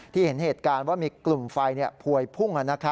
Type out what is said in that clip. เห็นเหตุการณ์ว่ามีกลุ่มไฟพวยพุ่ง